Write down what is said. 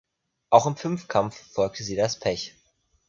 Auch im Fünfkampf verfolgte sie das Pech.